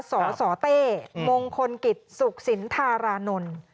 สสเต้มงคลกิจสุขสินธารานนท์